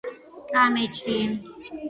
კამეჩი